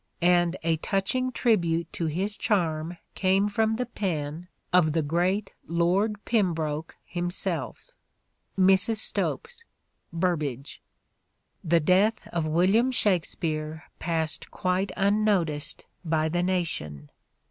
.. (and) a touch ing tribute to his charm came from the pen of the great Lord Pembroke himself." (Mrs. Stopes : Burbage). The death of William Shakspere passed quite unnoticed by the nation.